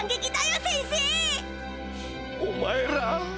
お前ら。